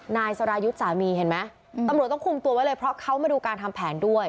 นายสรายุทธ์สามีเห็นไหมตำรวจต้องคุมตัวไว้เลยเพราะเขามาดูการทำแผนด้วย